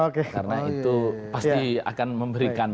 karena itu pasti akan memberikan leverage